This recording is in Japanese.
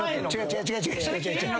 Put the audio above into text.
違う違う違う。